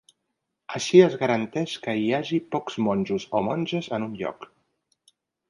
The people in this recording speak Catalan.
Així es garanteix que hi hagi pocs monjos o monges en un lloc.